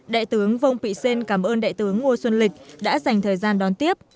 đại tướng vông pị xên cảm ơn đại tướng ngô xuân lịch đã dành thời gian đón tiếp